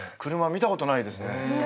見たことないです。